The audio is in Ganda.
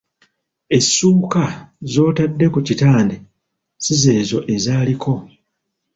Essuuka z'otadde ku kitande si zezo ezaaliko.